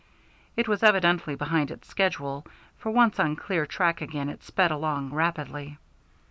It was evidently behind its schedule, for once on clear track again it sped along rapidly.